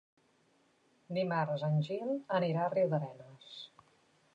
Dimarts en Gil anirà a Riudarenes.